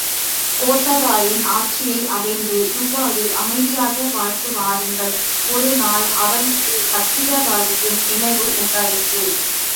கோசாம்பியின் ஆட்சியை அடைந்து இவ்வாறு அமைதியாக வாழ்ந்து வருங்கால், ஒருநாள் அவனுக்குப் பத்திராபதியின் நினைவு உண்டாயிற்று.